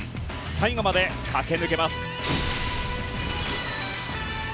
最後まで駆け抜けます。